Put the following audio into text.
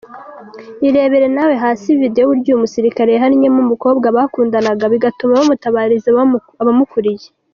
Irebere nawe hasi video y’uburyo uyu musirikari yahannyemo umukobwa bakundana bigatuma bamutabariza abamukuriye.